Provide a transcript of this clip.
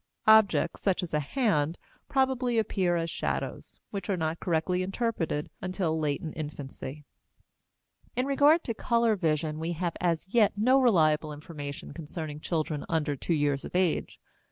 Objects, such as a hand, probably appear as shadows, which are not correctly interpreted until late in infancy. In regard to color vision we have as yet no reliable information concerning children under two years of age.